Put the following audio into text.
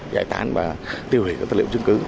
giải tán và tiêu hủy các vật liệu chứng cứ